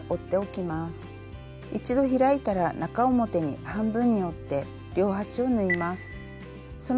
一度開いたら中表に半分に折って両端を縫います。